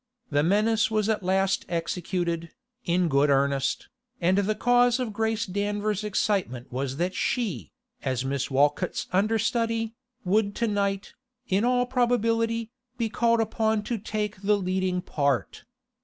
The menace was at last executed, in good earnest, and the cause of Grace Danver's excitement was that she, as Miss Walcott's understudy, would to night, in all probability, be called upon to take the leading part.